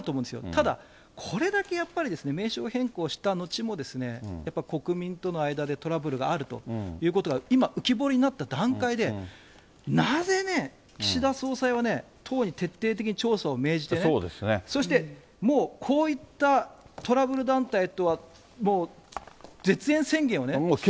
ただ、これだけやっぱりですね、名称変更した後も、やっぱり国民との間でトラブルがあるということが今浮き彫りになった段階で、なぜね、岸田総裁はね、党に徹底的に調査を命じてね、そしてもうこういったトラブル団体とはもう、もう決別宣言。